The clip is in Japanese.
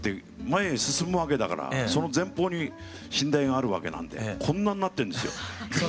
前へ進むわけだからその前方に寝台があるわけなんでこんなんなってるんですよ。